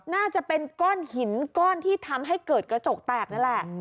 น่าจะเป็นก้อนหินก้อนที่ทำให้เกิดกระจกแตกนั่นแหละ